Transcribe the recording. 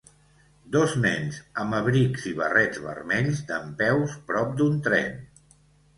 Dos nens amb abrics i barrets vermells dempeus prop d'un tren.